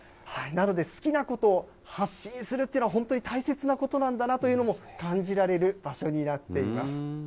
なので、好きなことを発信するっていうのは、本当に大切なことなんだなというのも感じられる場所になっています。